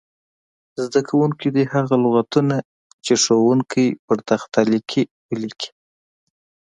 زده کوونکي دې هغه لغتونه چې ښوونکی په تخته لیکي ولیکي.